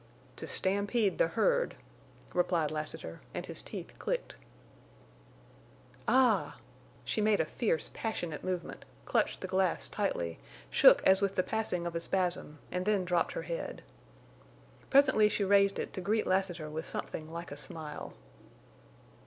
"To stampede the herd," replied Lassiter, and his teeth clicked. "Ah!" She made a fierce, passionate movement, clutched the glass tightly, shook as with the passing of a spasm, and then dropped her head. Presently she raised it to greet Lassiter with something like a smile.